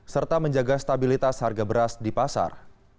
serta menjaga stabilitas harga beras di pasar